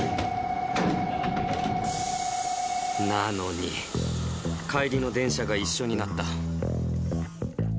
なのに、帰りの電車が一緒になった。